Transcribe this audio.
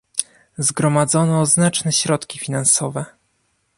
Zgromadzono znaczne środki finansowe